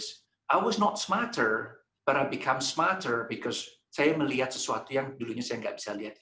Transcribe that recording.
saya bukan lebih bijak tapi saya menjadi lebih bijak karena saya melihat sesuatu yang dulunya saya nggak bisa lihat